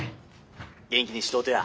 元気にしとうとや。